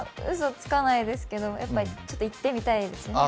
うそつかないですけど、やっぱりちょっと行ってみたいです。